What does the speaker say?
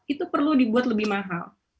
itu perlu dibuat lebih mahal